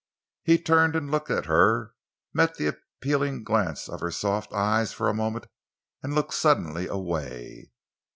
He turned and looked at her, met the appealing glance of her soft eyes for a moment and looked suddenly away.